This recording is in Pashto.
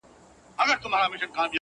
په دقيقه کي مسلسل له دروازې وځم~